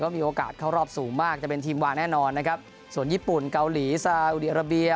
มีโอกาสเข้ารอบสูงมากจะเป็นทีมวางแน่นอนนะครับส่วนญี่ปุ่นเกาหลีซาอุดีอาราเบีย